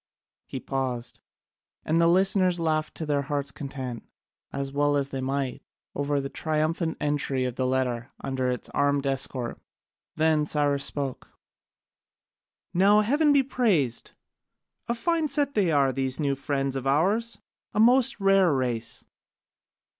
He paused, and the listeners laughed to their hearts' content, as well as they might, over the triumphant entry of the letter under its armed escort. Then Cyrus spoke: "Now heaven be praised! A fine set they are, these new friends of ours, a most rare race!